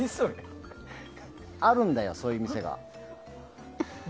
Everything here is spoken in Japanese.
あるんだよ、そういう店が。